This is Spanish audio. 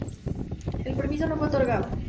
El permiso no fue otorgado.